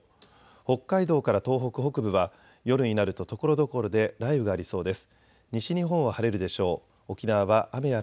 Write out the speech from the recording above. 北海道から東北北部は夜になるとところどころで雷雨がありそうです。